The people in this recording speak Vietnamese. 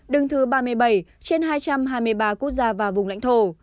đứng thứ ba mươi bảy trên hai trăm hai mươi ba quốc gia và vùng lãnh thổ